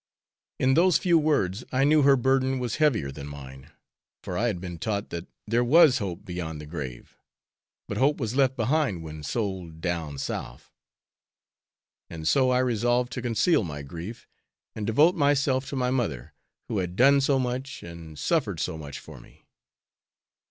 In those few words, I knew her burden was heavier than mine, for I had been taught that there was hope beyond the grave, but hope was left behind when sold "down souf"; and so I resolved to conceal my grief, and devote myself to my mother, who had done so much and suffered so much for me.